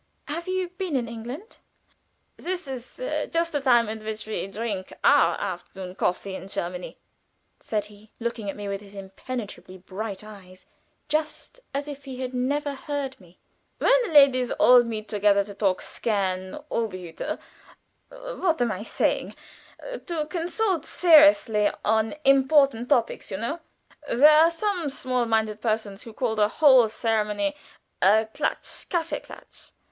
"Have you been in England?" "This is just the time at which we drink our afternoon coffee in Germany," said he, looking at me with his impenetrably bright eyes, just as if he had never heard me. "When the ladies all meet together to talk scan O, behüte! What am I saying? to consult seriously upon important topics, you know. There are some low minded persons who call the whole ceremony a Klatsch Kaffeeklatsch.